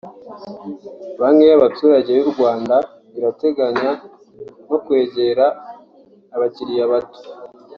Banki y’abaturage y’u Rwanda irateganya no kwegera abakiliya bato